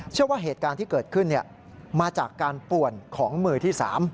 ว่าเหตุการณ์ที่เกิดขึ้นมาจากการป่วนของมือที่๓